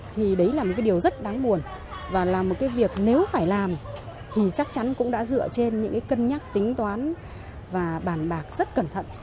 thì đấy là một cái điều rất đáng buồn và là một cái việc nếu phải làm thì chắc chắn cũng đã dựa trên những cái cân nhắc tính toán và bàn bạc rất cẩn thận